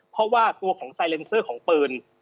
เพราะว่าตัวของไซเลนเซอร์ของปืน